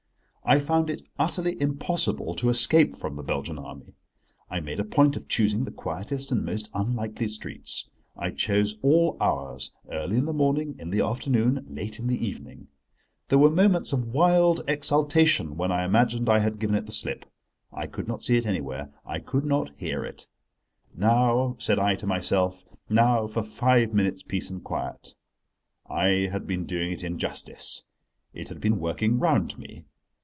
I found it utterly impossible to escape from the Belgian Army. I made a point of choosing the quietest and most unlikely streets, I chose all hours—early in the morning, in the afternoon, late in the evening. There were moments of wild exaltation when I imagined I had given it the slip. I could not see it anywhere, I could not hear it. "Now," said I to myself, "now for five minutes' peace and quiet." I had been doing it injustice: it had been working round me.